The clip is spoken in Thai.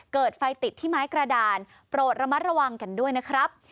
เกิดไฟติดที่ไม้กระดานโปรดระมัดระวังกันด้วยนะครับ